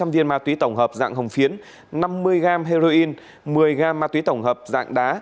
sáu trăm linh viên ma túy tổng hợp dạng hồng phiến năm mươi g heroin một mươi g ma túy tổng hợp dạng đá